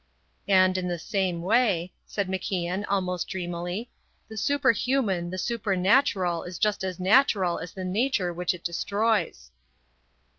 "And in the same way," said MacIan almost dreamily, "the superhuman, the supernatural is just as natural as the nature which it destroys."